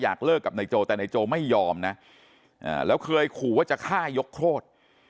อยากเลิกกับในโจแต่ในโจไม่ยอมนะแล้วเคยขอว่าจะฆ่ายกโฆษ